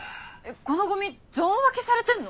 このゴミゾーン分けされてるの？